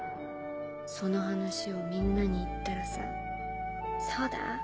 その話をみんなに言ったらさ「そうだ！